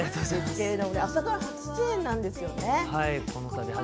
朝ドラ初出演なんですよね。